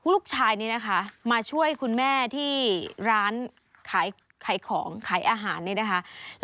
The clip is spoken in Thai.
ลูกชายนี่นะคะมาช่วยคุณแม่ที่ร้านขายของขายอาหารนี่นะคะ